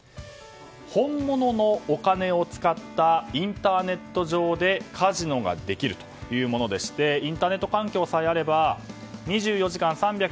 本物のお金を使ったインターネット上でカジノができるというものでしてインターネット環境さえあれば２４時間３６５日